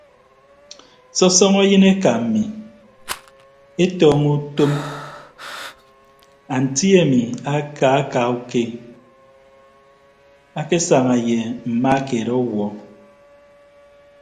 Sọsọñọ yịn eka mmi etọñọ utom anti ami akaaka uke akesaña ye mma keed ọwuọ.